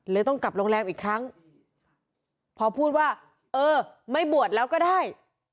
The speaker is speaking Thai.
ต้องกลับโรงแรมอีกครั้งพอพูดว่าเออไม่บวชแล้วก็ได้